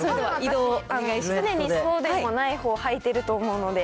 常にそうでもないほうを履いてると思うので。